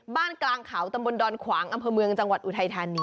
กลางเขาตำบลดอนขวางอำเภอเมืองจังหวัดอุทัยธานี